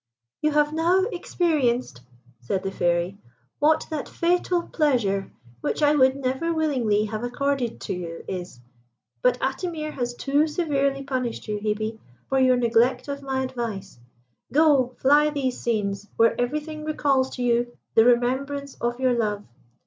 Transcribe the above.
"You have now experienced," said the Fairy, "what that fatal pleasure which I would never willingly have accorded to you is; but Atimir has too severely punished you, Hebe, for your neglect of my advice. Go! Fly these scenes, where everything recalls to you the remembrance of your love.